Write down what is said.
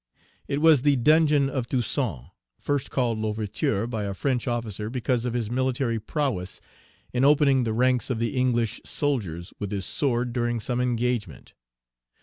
It was the dungeon of Toussaint, first called "L'Ouverture" by a French officer, because of his military prowess in opening the ranks of the English soldiers with his sword during some engagement.